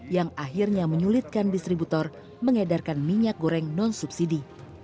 yang akhirnya menyulitkan distributor mengedarkan minyak goreng non subsidi